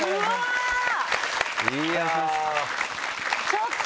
ちょっと！